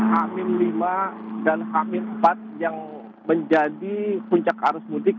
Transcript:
h lima dan h empat yang menjadi puncak arus mudik